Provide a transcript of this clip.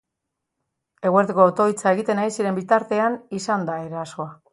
Eguerdiko otoitza egiten ari ziren bitartean izan da erasoa.